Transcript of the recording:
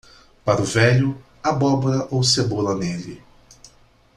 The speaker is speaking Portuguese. Para o velho, abóbora ou cebola nele.